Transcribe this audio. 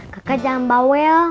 kakak jangan bawel